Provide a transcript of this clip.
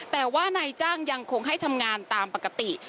แต่ว่านายจ้างยังคงให้ทำงานตามปกติ